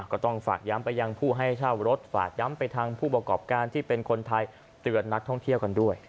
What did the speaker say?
ก็ต้องฝากย้ำไปยังผู้ให้เช่ารถฝากย้ำไปทางผู้ประกอบการที่เป็นคนไทยเตือนนักท่องเที่ยวกันด้วย